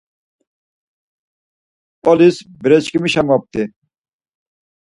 Mp̌olis bereşǩimişa moft̆i.